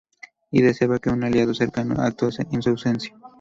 Y deseaba que un aliado cercano actuase en su ausencia.